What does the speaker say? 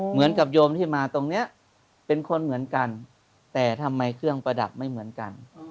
โยมที่มาตรงนี้เป็นคนเหมือนกันแต่ทำไมเครื่องประดับไม่เหมือนกัน